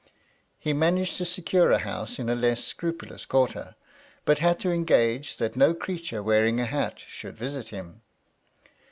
He managed to secure a house in a less scrupulous quarter, but had to engage that no creature wearing a hat should visit him.